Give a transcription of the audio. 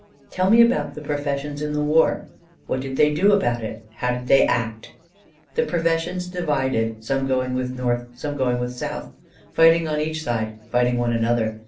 "Tell me about the professions in the War: what did they do about it; how did they act?" "The professions divided: some going with North, some going with South; fighting on each side, fighting one another.